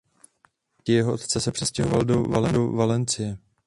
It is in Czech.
Po smrti jeho otce se přestěhoval do Valencie.